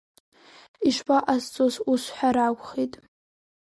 Ишԥаҟасҵоз, ус сҳәар акәхеит.